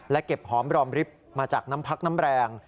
และเก็บหอมลอมริปมาจากน้ำพลักซ์น้ำแรง